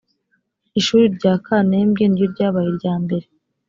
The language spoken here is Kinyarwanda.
ishuri rya kanembwe niryo ryabaye iryambere.